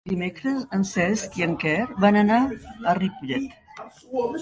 Dimecres en Cesc i en Quer van a Ripollet.